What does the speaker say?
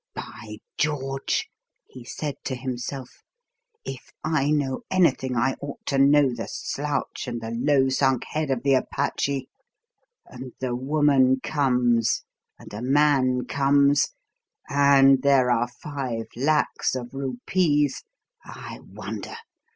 "By George!" he said to himself; "if I know anything, I ought to know the slouch and the low sunk head of the Apache! And the woman comes! And a man comes! And there are five lacs of rupees! I wonder!